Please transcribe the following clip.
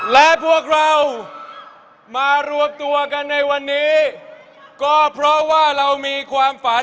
และพวกเรามารวมตัวกันในวันนี้ก็เพราะว่าเรามีความฝัน